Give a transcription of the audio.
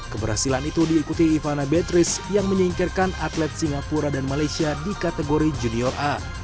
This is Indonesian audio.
keberhasilan itu diikuti ivana betris yang menyingkirkan atlet singapura dan malaysia di kategori junior a